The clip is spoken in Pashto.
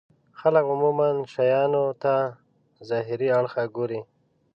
خلک عموما شيانو ته له ظاهري اړخه ګوري.